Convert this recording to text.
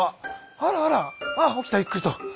ああ起きたゆっくりと。